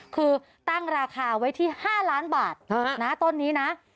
คือตั้งราคาไว้ที่๕ล้านบาทนะต้นนี้นะ